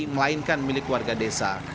melainkan milik warga desa